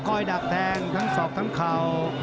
ดักแทงทั้งศอกทั้งเข่า